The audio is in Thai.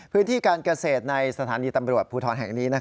พื้นที่การเกษตรในสถานีตำรวจภูทรแห่งนี้